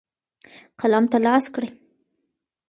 قلم ته لاس کړئ.